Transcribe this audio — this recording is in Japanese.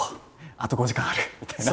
あと５時間あるみたいな。